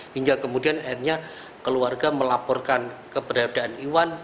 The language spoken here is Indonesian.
hingga kemudian akhirnya keluarga melaporkan keberadaan iwan